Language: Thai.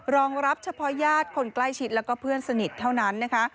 รองรับเฉพาะญาติคนใกล้ชิดแล้วก็เพื่อนสนิทเท่านั้นนะคะ